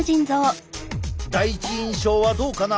第一印象はどうかな？